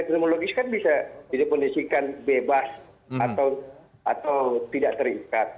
jadi karena netral ini secara etimologis kan bisa dipenisikan bebas atau tidak terikat